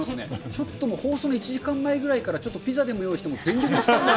ちょっと放送の１時間前ぐらいから、ちょっとピザでも用意して全力で。